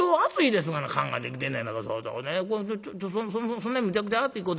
そんなにむちゃくちゃ熱いこと